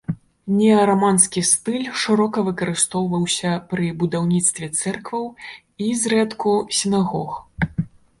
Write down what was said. Неараманскі стыль шырока выкарыстоўваўся пры будаўніцтве цэркваў, і, зрэдку, сінагог.